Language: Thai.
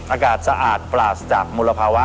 อากาศสะอาดปราศจากมลภาวะ